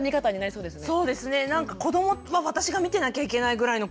そうですね。